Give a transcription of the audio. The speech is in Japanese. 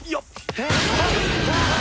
えっ！？